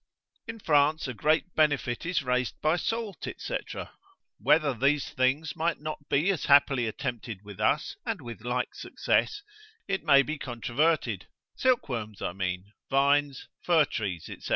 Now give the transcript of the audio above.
In France a great benefit is raised by salt, &c., whether these things might not be as happily attempted with us, and with like success, it may be controverted, silkworms (I mean) vines, fir trees, &c.